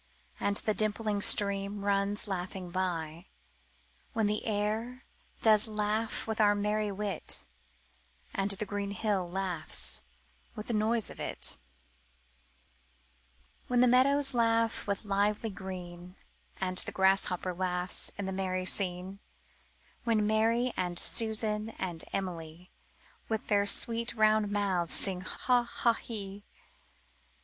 And the dimpling stream runs laughing by; When the air does laugh with our merry wit, And the green hill laughs with the noise of it; When the meadows laugh with lively green, And the grasshopper laughs in the merry scene; When Mary and Susan and Emily With their sweet round mouths sing "Ha, ha, he